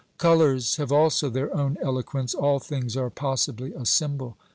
Colours have also their own eloquence ; all things are possibly a symbol.